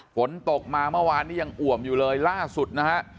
ฝนตกมาเมื่อวานนี้ยังอ่วมอยู่เลยล่าสุดนะฮะ